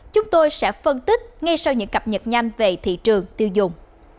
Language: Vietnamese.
chúng tôi sẽ phân tích ngay sau những cập nhật nhanh về thị trường tiêu dùng